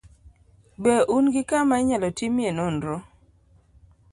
be un gi kama inyalo timie nonro?